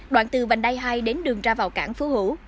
đoạn từ vành đai hai đến đường ra vào cảng phú hữu